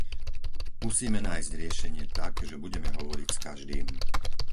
Musíme nájsť riešenie tak, že budeme hovoriť s každým.